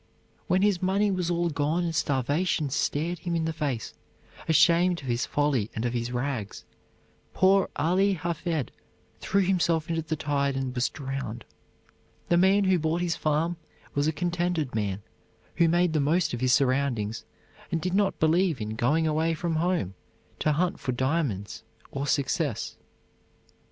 When his money was all gone and starvation stared him in the face, ashamed of his folly and of his rags, poor Ali Hafed threw himself into the tide and was drowned. The man who bought his farm was a contented man, who made the most of his surroundings, and did not believe in going away from home to hunt for diamonds or success.